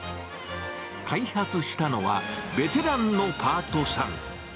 開発したのは、ベテランのパートさん。